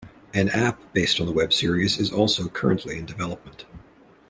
An app based on the web series is also currently in development.